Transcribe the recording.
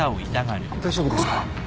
大丈夫ですか？